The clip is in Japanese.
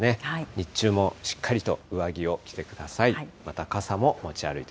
日中もしっかりと上着を着てください。